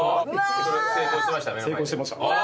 それ成功してました？